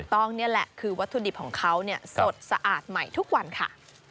นี่แหละคือวัตถุดิบของเขาสดสะอาดใหม่ทุกวันค่ะ